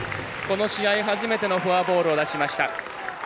この試合、初めてのフォアボールを出しました。